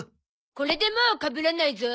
これでもうかぶらないゾ。